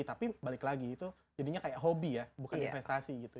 tapi balik lagi itu jadinya kayak hobi ya bukan investasi gitu